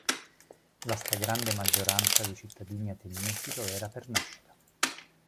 La stragrande maggioranza dei cittadini ateniesi lo era per nascita.